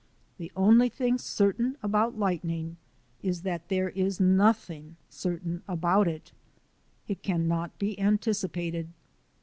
The only thing certain about lightning is that there is nothing certain about it. It cannot be anticipated.